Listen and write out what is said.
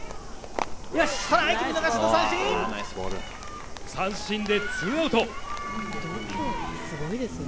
三振でツーアウト。